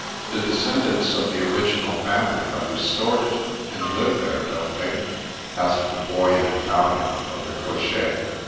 "The descendants of the original family have restored it, and live there, don't they?" asked the Boy in Italian of the cocker.